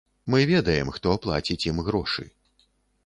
Мы ведаем, хто плаціць ім грошы.